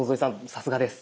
さすがです。